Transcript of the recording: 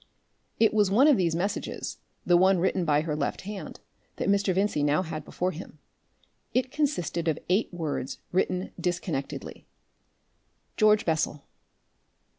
It was one of these messages, the one written by her left hand, that Mr. Vincey now had before him. It consisted of eight words written disconnectedly: "George Bessel...